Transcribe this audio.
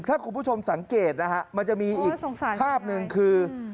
ถ้าคุณผู้ชมสังเกตนะฮะมันจะมีอีกภาพหนึ่งคือ